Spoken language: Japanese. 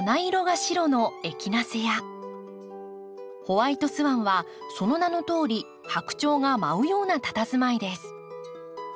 ‘ホワイト・スワン’はその名のとおり白鳥が舞うようなたたずまいです。